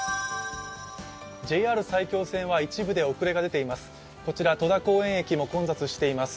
ＪＲ埼京線は一部で遅れが出ています。